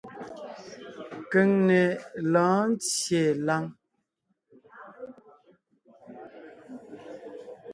Keŋne lɔ̌ɔn ńtyê láŋ.